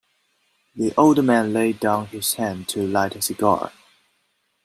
The old man laid down his hand to light a cigar.